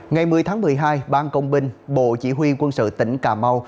ngày một mươi tháng một mươi hai ban công binh bộ chỉ huy quân sự tỉnh cà mau